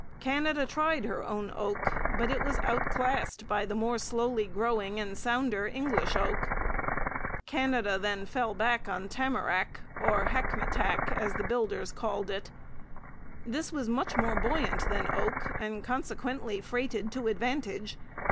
Canada tried her own oak; but it was outclassed by the more slowly growing and sounder English oak. Canada then fell back on tamarac, or 'hackmatac,' as builders called it. This was much more buoyant than oak, and consequently freighted to advantage.